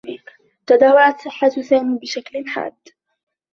تدهورت صحّة سامي بشكل حاد.